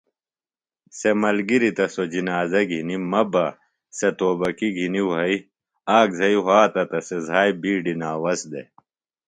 سےۡ ملگِریۡ تہ سوۡ جنازہ گھنیۡ مہ بہ سےۡ توبکیۡ گھنیۡ وھئیۡ آک زھئیۡ وھاتہ تہ سےۡ زھائیۡ بِیڈیۡ ناوس دےۡ